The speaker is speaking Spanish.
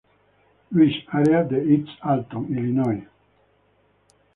Louis, área de East Alton, Illinois.